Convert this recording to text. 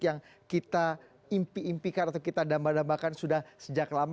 yang kita impi impikan atau kita damba dambakan sudah sejak lama